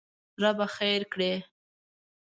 ربه خېر کړې!